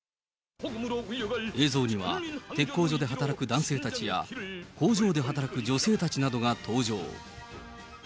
映像には、鉄工所で働く男性たちや、工場で働く女性たちなどが登場。